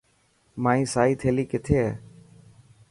مائي سائي ٿيلي ڪٿي هي؟